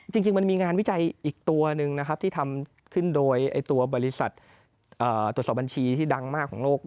จริงมันมีงานวิจัยอีกตัวหนึ่งนะครับที่ทำขึ้นโดยตัวบริษัทตรวจสอบบัญชีที่ดังมากของโลก